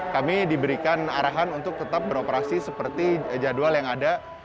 kami diberikan arahan untuk tetap beroperasi seperti jadwal yang ada